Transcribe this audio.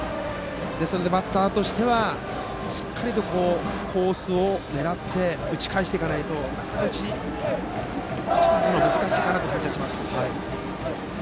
バッターとしてはしっかりとコースを狙って打ち返していかないと、なかなか打ち崩すのは難しい感じがします。